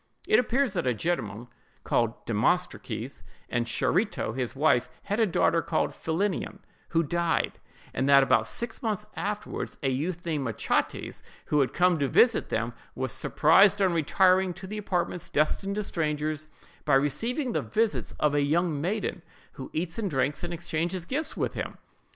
It appears that a gentleman, called Demostrates, and Charito, his wife, had a daughter called Philinnion, who died; and that about six months afterward, a youth named Machates, who had come to visit them, was surprised on retiring to the apartments destined to strangers, by receiving the visits of a young maiden who eats and drinks and exchanges gifts with him.